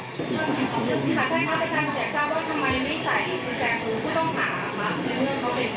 คุณแจมือก็ต้องหามากนะครับ